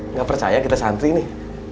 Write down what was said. nggak percaya kita santri nih